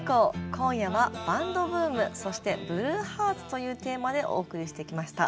今夜は「バンドブーム、そしてブルーハーツ」というテーマでお送りしてきました。